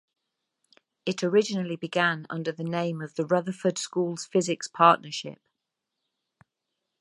It originally began under the name of the Rutherford Schools Physics Partnership.